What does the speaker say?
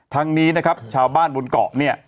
ทั้งนี้นะครับชาวบ้านบนเกาะเนี่ย